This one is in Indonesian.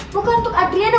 bukan untuk adriana